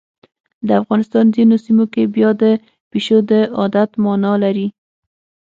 د افغانستان ځینو سیمو کې بیا د پیشو د عادت مانا لري.